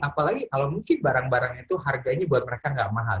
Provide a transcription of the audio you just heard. apalagi kalau mungkin barang barangnya itu harganya buat mereka nggak mahal